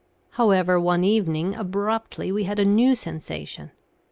However, one evening, abruptly, we had a new sensation.